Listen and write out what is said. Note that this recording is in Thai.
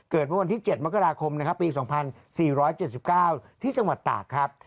เกิดเมื่อวันที่๗มกราคมปี๒๔๗๙ที่สังวัติตากครับ